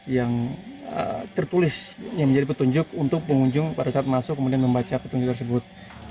yang tertulis yang menjadi petunjuk untuk pengunjung pada saat masuk kemudian membaca petunjuk tersebut